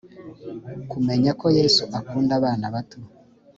kumenya ko yesu akunda abana bato